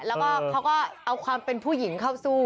แล้วก็เขาก็เอาความเป็นผู้หญิงเข้าสู้